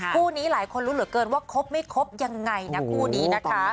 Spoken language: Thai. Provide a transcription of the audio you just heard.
คู่นี้หลายคนรู้เหลือเกินว่าครบไม่ครบยังไงนะคู่นี้นะคะ